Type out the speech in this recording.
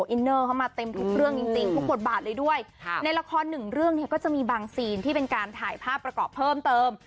อินเนอร์เข้ามาเต็มทุกเรื่องจริงทุกบทบาทเลยด้วยในละครหนึ่งเรื่องเนี่ยก็จะมีบางซีนที่เป็นการถ่ายภาพประกอบเพิ่มเติม